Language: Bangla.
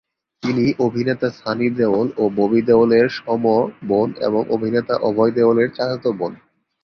তিনি অভিনেতা সানি দেওল ও ববি দেওল এর সম-বোন এবং অভিনেতা অভয় দেওল এর চাচাত বোন।